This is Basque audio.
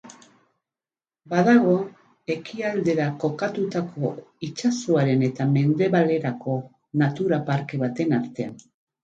Badago ekialdera kokatutako itsasoaren eta mendebalerako natura-parke baten artean.